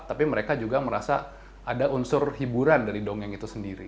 tapi mereka juga merasa ada unsur hiburan dari dongeng itu sendiri